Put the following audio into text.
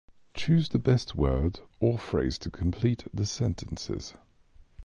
Choose the best word or phrase to complete the sentences.